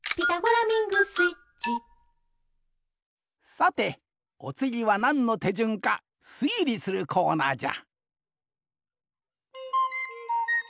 さておつぎはなんのてじゅんかすいりするコーナーじゃ！